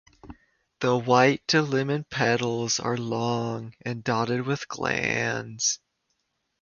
The white to lemon petals are long and dotted with glands.